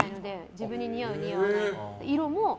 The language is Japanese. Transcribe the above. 自分に似合う似合わないが。